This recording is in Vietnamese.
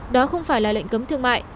đó không phải là lệnh cấm thương mại